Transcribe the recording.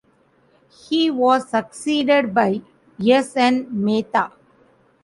He was succeeded by S. N. Mehta.